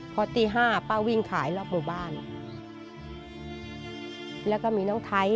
พอตีห้าป้าวิ่งขายรอบหมู่บ้านแล้วก็มีน้องไทย